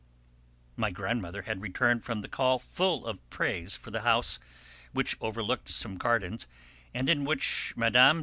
My grandmother had returned from the call full of praise for the house, which overlooked some gardens, and in which Mme.